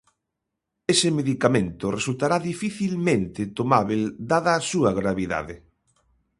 Ese medicamento resultará dificilmente tomábel dada a súa gravidade.